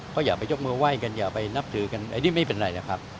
ก็อย่าไปยกมือไห้กันอย่าไปนับถือกันอันนี้ไม่เป็นไรนะครับ